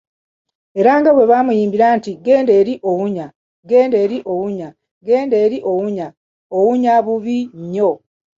Era nga bw'ebamuyimbira nti; Genda eli owunya ,genda eli owunya, genda eli owunya, owunya bubi nnyo.